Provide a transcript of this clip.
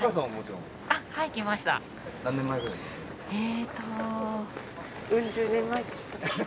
えっと。